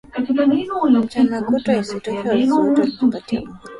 mchana kutwa Isitoshe wazazi wetu walitupatia uhuru mkubwa